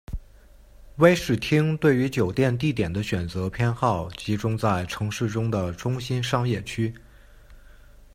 威士汀对于酒店地点的选择偏好集中在城市中的中心商业区。